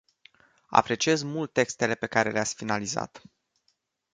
Apreciez mult textele pe care le-ați finalizat.